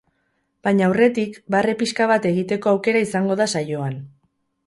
Baina aurretik, barre pixka bat egiteko aukera izango da saioan.